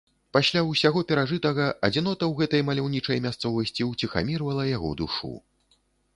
Пасля ўсяго перажытага адзінота ў гэтай маляўнічай мясцовасці ўціхамірвала яго душу.